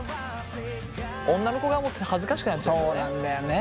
女の子側も恥ずかしくなっちゃうんだね。